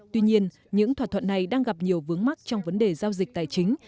tuy nhiên những thỏa thuận này đang gặp nhiều vướng mắt trong vấn đề giao dịch tài chính